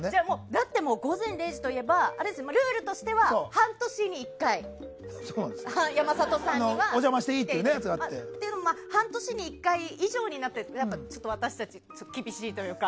だって「午前０時」といえばルールとしては半年に１回、山里さんが来ていいのが半年に１回でそれが半年に１回以上になって私たちも厳しいというか。